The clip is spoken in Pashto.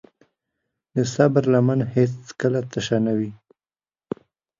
د صبر لمن هیڅکله تشه نه وي.